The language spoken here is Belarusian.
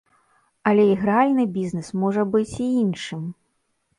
Але ігральны бізнэс можа быць і іншым.